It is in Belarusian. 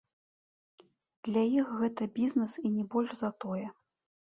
Для іх гэта бізнес і не больш за тое.